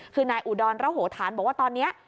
คือนายอุดรระโหธานบอกว่าตอนนี้